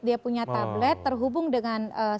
dia punya tablet terhubung dengan